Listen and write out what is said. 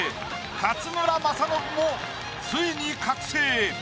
勝村政信もついに覚醒！